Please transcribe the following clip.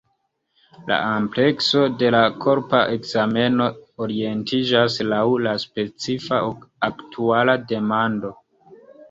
La amplekso de la korpa ekzameno orientiĝas laŭ la specifa aktuala demando.